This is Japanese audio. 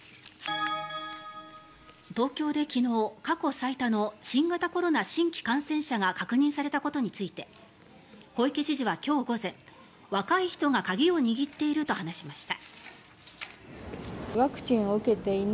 東京で昨日、過去最多の新型コロナ新規感染者が確認されたことについて小池知事は、今日午前若い人が鍵を握っていると話しました。